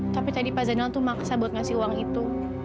tapi tadi pak zainal tuh maksa buat ngasih uang itu